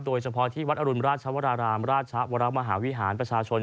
โดยเฉพาะที่วัดอรุณราชวรารามราชวรมหาวิหารประชาชน